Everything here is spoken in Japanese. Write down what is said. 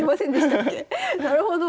なるほど。